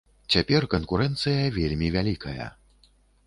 Цяпер канкурэнцыя вельмі вялікая.